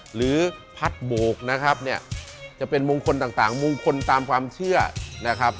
หรือพัดโบกนะครับเนี่ยจะเป็นมงคลต่างมงคลตามความเชื่อนะครับ